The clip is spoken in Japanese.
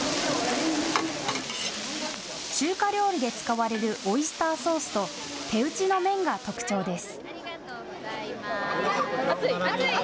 中華料理で使われるオイスターソースと手打ちの麺が特徴です。